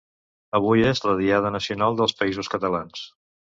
Avui és la Diada Nacional dels Països Catalans